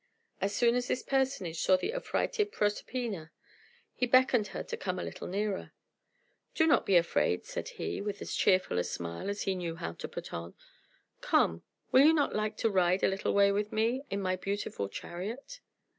As soon as this personage saw the affrighted Proserpina, he beckoned her to come a little nearer. "Do not be afraid," said he, with as cheerful a smile as he knew how to put on. "Come! Will not you like to ride a little way with me, in my beautiful chariot?"